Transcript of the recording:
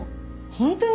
本当に？